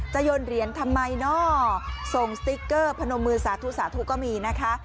โยนเหรียญทำไมเนอะส่งสติ๊กเกอร์พนมมือสาธุสาธุก็มีนะคะ